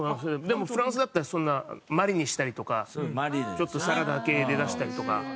でもフランスだったらそんなマリネしたりとかちょっとサラダ系で出したりとか。